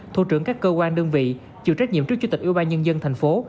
thủ trưởng các cơ quan đơn vị chịu trách nhiệm trước chủ tịch ủy ban nhân dân thành phố